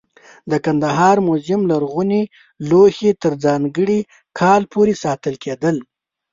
د کندهار موزیم لرغوني لوښي تر ځانګړي کال پورې ساتل کېدل.